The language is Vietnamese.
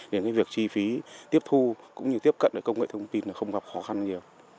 nên cái việc chi phí tiếp thu cũng như tiếp cận công nghệ thông tin không gặp khó khăn nhiều